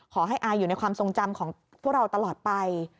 ขอให้อายอยู่ในความทรงจำของพวกเราตลอดไป